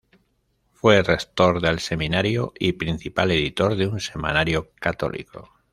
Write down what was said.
Fue rector del seminario y principal editor de un semanario católico.